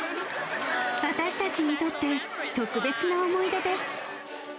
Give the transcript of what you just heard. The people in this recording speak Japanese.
私たちにとって、特別な思い出です。